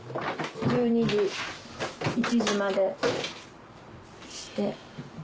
１２時１時までして。